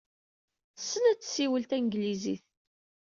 Tessen ad tessiwel tanglizit.